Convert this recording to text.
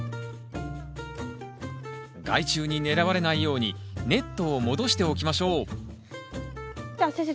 害虫に狙われないようにネットを戻しておきましょうじゃあ先生